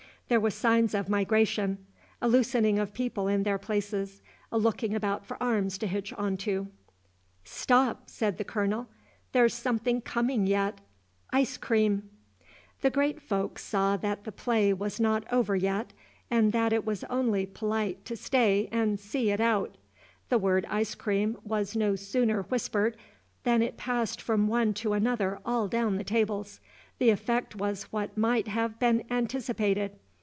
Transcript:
There were signs of migration, a loosening of people in their places, a looking about for arms to hitch on to. "Stop!" said the Colonel. "There's something coming yet. Ice cream!" The great folks saw that the play was not over yet, and that it was only polite to stay and see it out. The word "ice cream" was no sooner whispered than it passed from one to another all down the tables. The effect was what might have been anticipated.